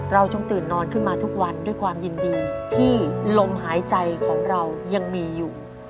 จงตื่นนอนขึ้นมาทุกวันด้วยความยินดีที่ลมหายใจของเรายังมีอยู่